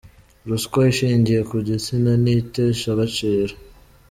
Ruswa ishingiye ku gitsina ni iteshagaciro.